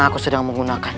aku akan mengejarku